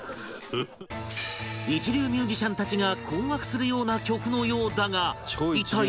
一流ミュージシャンたちが困惑するような曲のようだが一体どんなテーマ曲なのか？